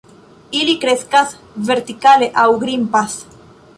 Ili kreskas vertikale aŭ grimpas.